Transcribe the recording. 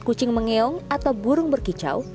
kucing mengeong atau burung berkicau